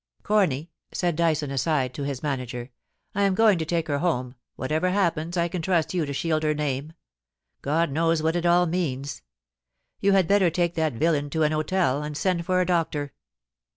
* Corny,' said Dyson, aside, to his manager, * I am going to take her home; whatever happens I can trust you to shield her name. God knows what it all means ! You had better take that villain to an hotel, and send for a doctor.'